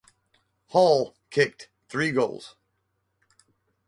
Hall kicked three goals.